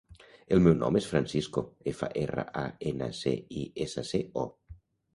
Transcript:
El meu nom és Francisco: efa, erra, a, ena, ce, i, essa, ce, o.